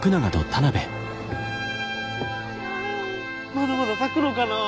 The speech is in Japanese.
まだまだ咲くのかな？